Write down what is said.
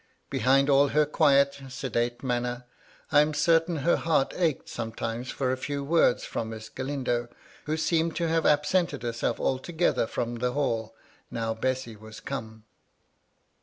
Behind all her quiet, sedate manner, I am certain her heart ached sometimes for a few words from Miss Galindo, who seemed to have absented herself altogether from the Hall now Bessy was come.